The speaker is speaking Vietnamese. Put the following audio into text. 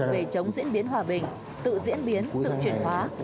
về chống diễn biến hòa bình tự diễn biến tự chuyển hóa